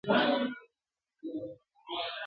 له کوهي د منګوټیو را ایستل وه ..